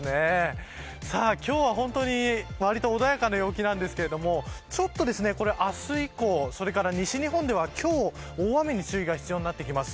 今日は本当に割と穏やかな陽気なんですけれどもちょっと明日以降それから西日本では今日、大雨に注意が必要になってきます。